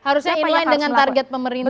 harusnya inline dengan target pemerintah